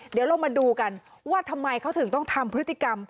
เดี๋ยวเรามาดูกันว่าทำไมเขาถึงต้องทำพฤติกรรม